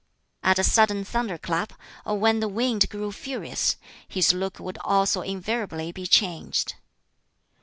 At a sudden thunder clap, or when the wind grew furious, his look would also invariably be changed.